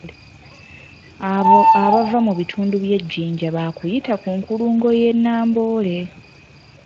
Abo abava mu bitundu by'e Jinja baakuyita ku nkulungo y'e Namboole